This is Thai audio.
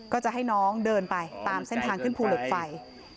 ก็จะให้น้องเดินไปตามเส้นทางขึ้นภูเหล็กไฟ